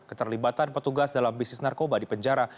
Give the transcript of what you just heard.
keterlibatan petugas dalam bisnis narkoba di penjara